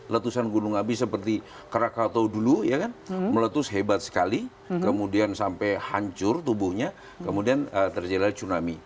letusan gunung api seperti krakatau dulu ya kan meletus hebat sekali kemudian sampai hancur tubuhnya kemudian terjadilah tsunami